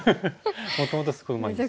もともとすごいうまいんですよ。